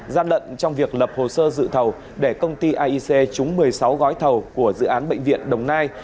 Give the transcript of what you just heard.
gian lận trong việc lập hồ sơ dự thầu để công ty aic trúng một mươi sáu gói thầu của dự án bệnh viện đồng nai